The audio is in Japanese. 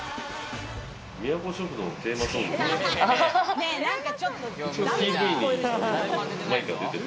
みやこ食堂のテーマソングがある。